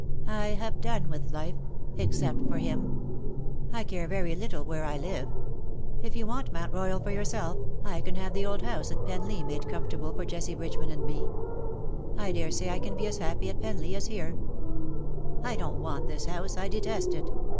I have done with life, except for him. I care very little where I live : if you want Mount Royal for yourself, I 300 " SHE STOOD UP IN BITTER CASE, ETC." can have tlie old house at Penlee made comfortable for Jessie Bridgeman and me. I daresay I can be as happy at Penlee as here.^^ " I don''t want this house. I detest it.